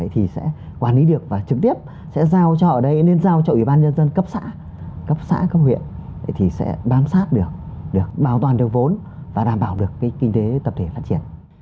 thì sẽ bám sát được được bảo toàn được vốn và đảm bảo được kinh tế tập thể phát triển